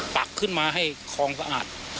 ตักขึ้นมาให้คลองสะอาด